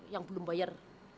yang belum bayar